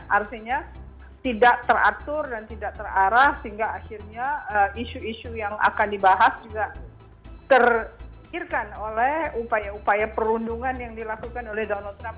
artinya tidak teratur dan tidak terarah sehingga akhirnya isu isu yang akan dibahas juga terpikirkan oleh upaya upaya perundungan yang dilakukan oleh donald trump